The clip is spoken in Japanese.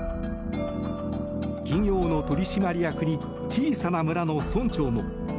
企業の取締役に小さな村の村長も。